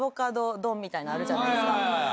みたいなのあるじゃないですか。